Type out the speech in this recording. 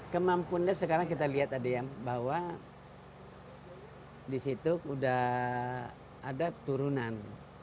kemampuannya sekarang kita lihat tadi ya bahwa di situ sudah ada turunan